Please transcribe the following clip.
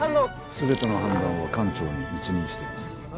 全ての判断は艦長に一任しています。